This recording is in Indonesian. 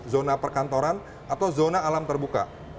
zona perkantoran atau zona alam terbuka